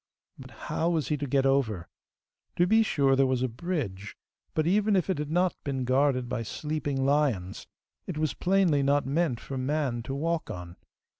But how was he to get over? To be sure there was a bridge, but, even if it had not been guarded by sleeping lions, it was plainly not meant for man to walk on.